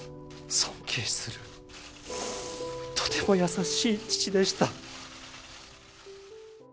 尊敬するとても優しい父でした。